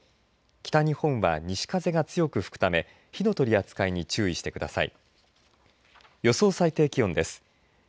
北日本は、西風が強く吹くため火の取り扱いに注意してください。